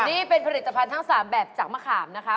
นี่เป็นผลิตภัณฑ์ทั้ง๓แบบจากมะขามนะคะ